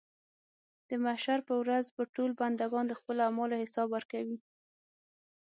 د محشر په ورځ به ټول بندګان د خپلو اعمالو حساب ورکوي.